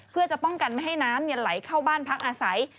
เพื่อจะป้องกันไม่ให้น้ำไหลเข้าบ้านพักอาศัย